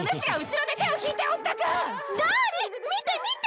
ダーリン見て見て！